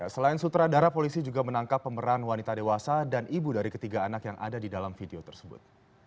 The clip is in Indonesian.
selain sutradara polisi juga menangkap pemeran wanita dewasa dan ibu dari ketiga anak yang ada di dalam video tersebut